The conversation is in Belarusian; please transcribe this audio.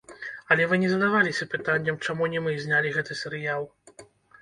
Але вы не задаваліся пытаннем, чаму не мы знялі гэты серыял?